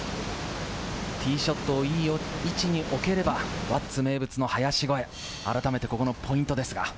ティーショットをいい位置に置ければ、輪厚名物の林越え、改めて、ここのポイントです。